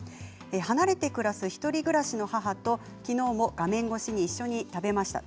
離れて暮らす１人暮らしの母ときのうも画面越しに一緒に食べました。